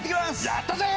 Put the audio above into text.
やったぜ！